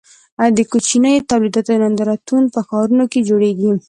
د کوچنیو تولیداتو نندارتونونه په ښارونو کې جوړیږي.